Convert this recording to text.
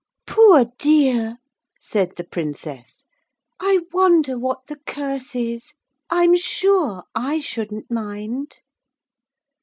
_ 'Poor dear,' said the Princess. 'I wonder what the curse is! I'm sure I shouldn't mind!'